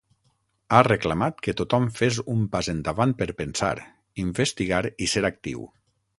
Ha reclamat que tothom fes un pas endavant per pensar, investigar i ser actiu.